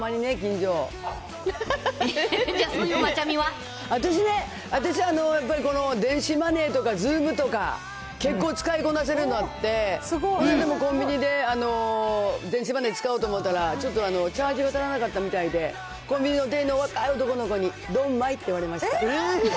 じゃあ、私、やっぱりこの電子マネーとかズームとか、結構使いこなせるようになって、この間もコンビニで電子マネー使おうと思ったら、ちょっとチャージが足らなかったみたいで、コンビニの店員の若い男の子にドンマイって言われました。